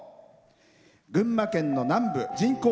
群馬県の南部人口